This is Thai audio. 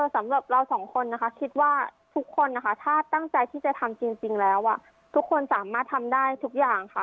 สำหรับเราสองคนนะคะคิดว่าทุกคนนะคะถ้าตั้งใจที่จะทำจริงแล้วทุกคนสามารถทำได้ทุกอย่างค่ะ